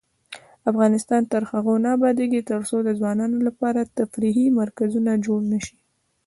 افغانستان تر هغو نه ابادیږي، ترڅو د ځوانانو لپاره تفریحي مرکزونه جوړ نشي.